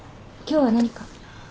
今日は何か？